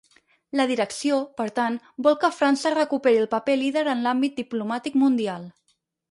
La direcció, per tant, vol que França recuperi el paper líder en l'àmbit diplomàtic mundial.